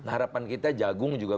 harapan kita jagung juga